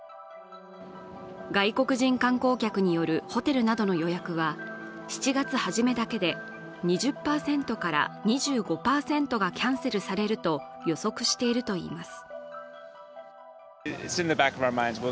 外国人観光客によるホテルなどの予約は７月初めだけで２０％から２５％がキャンセルされると予測しているといいます。